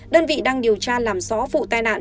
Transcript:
đơn vị đang điều tra làm rõ vụ tai nạn